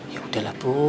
ya udahlah bu